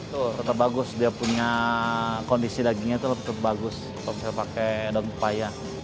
terus bagus dia punya kondisi dagingnya itu lebih bagus kalau misalnya pakai daun upaya